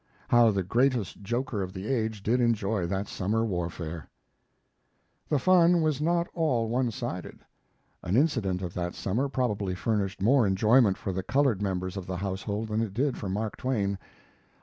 How the greatest joker of the age did enjoy that summer warfare! The fun was not all one sided. An incident of that summer probably furnished more enjoyment for the colored members of the household than it did for Mark Twain.